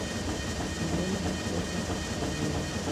Mnyama hutafuta kivuli